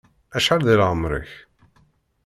Acḥal di lɛemeṛ-ik?